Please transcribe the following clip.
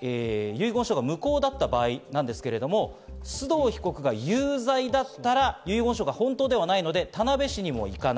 遺言書が無効だった場合須藤被告が有罪だったら遺言書が本当ではないので、田辺市にも行かない。